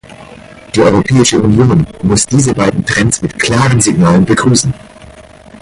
Die Europäische Union muss diese beiden Trends mit klaren Signalen begrüßen.